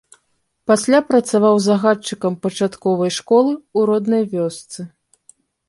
Пасля працаваў загадчыкам пачатковай школы ў роднай вёсцы.